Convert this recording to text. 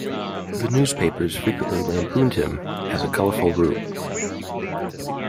The newspapers frequently lampooned him as a colorful rube.